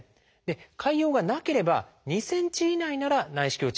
潰瘍がなければ２ｃｍ以内なら内視鏡治療ができます。